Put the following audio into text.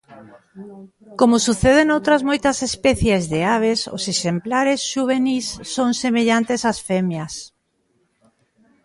Como sucede noutras moitas especies de aves os exemplares xuvenís son semellantes ás femias.